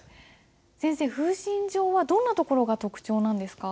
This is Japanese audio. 先生「風信帖」はどんなところが特徴なんですか？